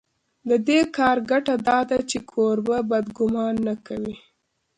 د دې کار ګټه دا ده چې کوربه بد ګومان نه کوي.